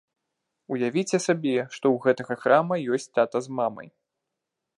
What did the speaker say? Уявіце сабе, што ў гэтага храма ёсць тата з мамай.